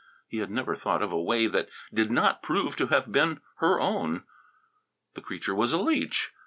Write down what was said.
He had never thought of a way that did not prove to have been her own. The creature was a leech!